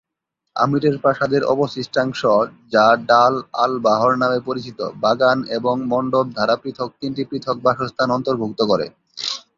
আমিরের প্রাসাদের অবশিষ্টাংশ, যা ডাল আল-বাহর নামে পরিচিত, বাগান এবং মণ্ডপ দ্বারা পৃথক তিনটি পৃথক বাসস্থান অন্তর্ভুক্ত করে।